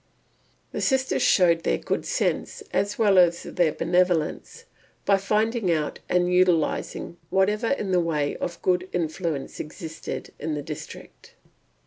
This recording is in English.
The sisters showed their good sense, as well as their benevolence, by finding out and utilising whatever in the way of a good influence existed in the district.